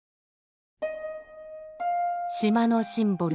島のシンボル